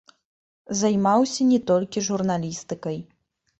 Займаўся не толькі журналістыкай.